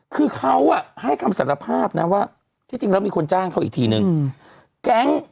คือเขาให้คำสารภาพนะว่าที่จริงแล้วมีคนจ้างเขาอีกทีนึงแก๊ง